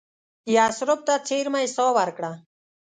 یثرب ته څېرمه یې ساه ورکړه.